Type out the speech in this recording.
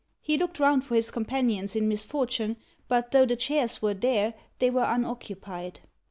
He looked round for his companions in misfortune, but, though the chairs were there, they were unoccupied.